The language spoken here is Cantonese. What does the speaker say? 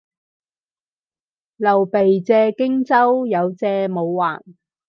劉備借荊州，有借冇還